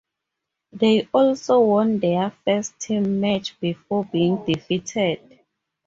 They also won their first team match before being defeated.